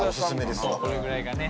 これぐらいがね。